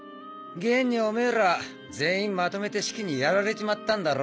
現にオメエら全員まとめてシキにやられちまったんだろ？